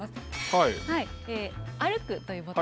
はい。